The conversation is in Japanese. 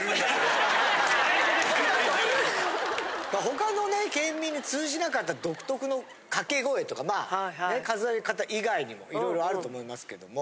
他のね県民に通じなかった独特の掛け声とかまあ数え方以外にも色々とあると思いますけども。